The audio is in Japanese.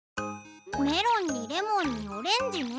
メロンにレモンにオレンジね。